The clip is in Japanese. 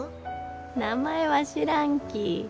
名前は知らんき。